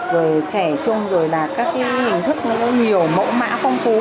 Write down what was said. rồi trẻ trung rồi là các cái hình thức nhiều mẫu mã phong phú